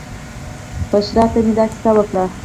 بشرا ته مې دا کیسه وکړه.